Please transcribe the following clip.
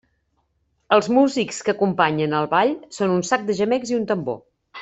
Els músics que acompanyen el ball són un sac de gemecs i un tambor.